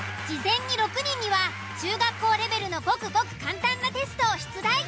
事前に６人には中学校レベルのごくごく簡単なテストを出題。